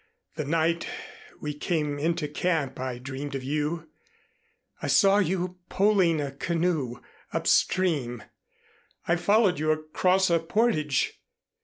The night we came into camp I dreamed of you. I saw you poling a canoe upstream. I followed you across a portage.